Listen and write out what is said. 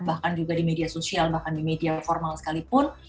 bahkan juga di media sosial bahkan di media formal sekalipun